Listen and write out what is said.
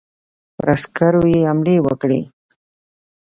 پر عسکرو باندي حملې وکړې.